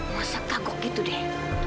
masa kaguk gitu deh